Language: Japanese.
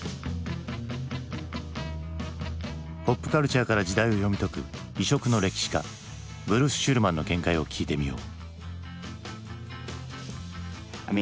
ポップカルチャーから時代を読み解く異色の歴史家ブルース・シュルマンの見解を聞いてみよう。